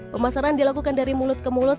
pemasaran dilakukan dari mulut ke mulut